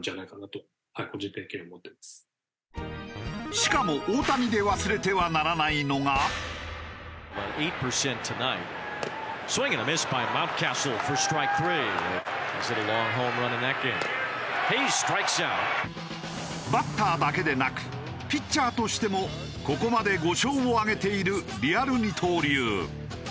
しかも大谷でバッターだけでなくピッチャーとしてもここまで５勝を挙げているリアル二刀流。